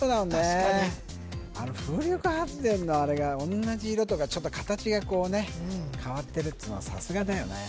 確かにあの風力発電のあれが同じ色とかちょっと形がこうね変わってるっつうのがさすがだよね